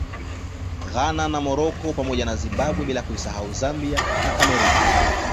Ghana na Morocco pamoja na Zimbabwe bila kuisahau Zambia na Cameroon